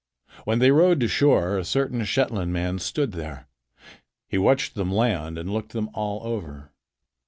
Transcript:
When they rowed to shore a certain Shetland man stood there. He watched them land and looked them all over.